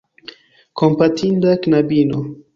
Kompatinda knabino!